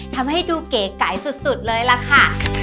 ทำให้ดูเก๋ไก่สุดเลยล่ะค่ะ